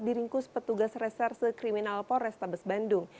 diringkus petugas reserse kriminal pores tabes bandung